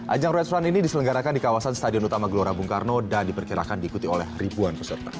ajang royce run ini diselenggarakan di kawasan stadion utama gelora bung karno dan diperkirakan diikuti oleh ribuan peserta